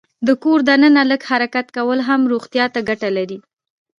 د کور دننه لږ حرکت کول هم روغتیا ته ګټه لري.